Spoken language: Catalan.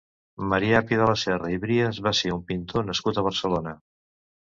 Marià Pidelaserra i Brias va ser un pintor nascut a Barcelona.